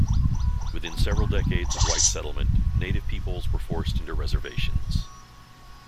Within several decades of white settlement, native peoples were forced into reservations.